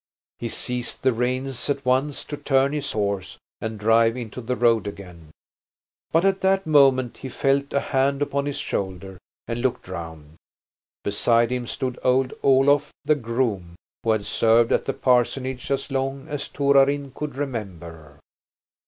He seized the reins at once to turn his horse and drive into the road again, but at that moment he felt a hand upon his shoulder and looked round. Beside him stood old Olof the groom, who had served at the parsonage as long as Torarin could remember.